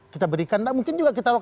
kita berikan tidak mungkin juga kita